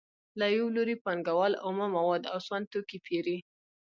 له یو لوري پانګوال اومه مواد او سون توکي پېري